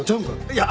いや。